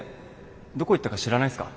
どこ行ったか知らないっすか？